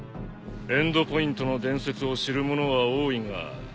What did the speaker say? エンドポイントの伝説を知る者は多いが信じる者はいない。